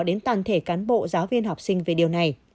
đến toàn thể cán bộ giáo viên học sinh về điều này